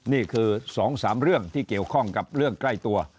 นี่คือ๒๓เรื่องที่เกี่ยวข้องกับเรื่องใกล้ตัว